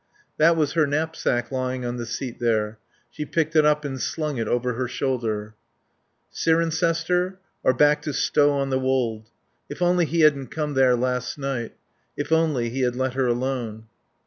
That was her knapsack lying on the seat there. She picked it up and slung it over her shoulder. Cirencester? Or back to Stow on the Wold? If only he hadn't come there last night. If only he had let her alone.